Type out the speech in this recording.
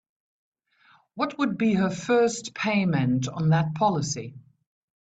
What would be her first payment on that policy?